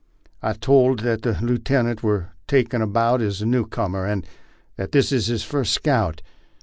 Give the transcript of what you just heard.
I'm told that the lootenint we're talkin' about is a new comer, and that this is his first scout.